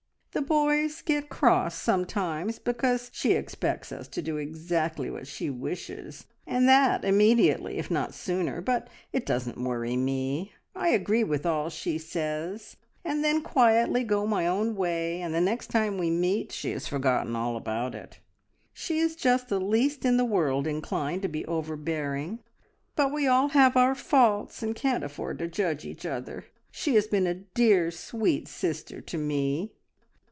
The boys get cross sometimes because she expects us to do exactly what she wishes, and that immediately, if not sooner, but it doesn't worry me. I agree with all she says, and then quietly go my own way, and the next time we meet she has forgotten all about it. She is just the least in the world inclined to be overbearing, but we all have our faults, and can't afford to judge each other. She has been a dear sweet sister to me!"